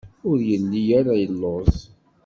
Ur yelli ara yelluẓ.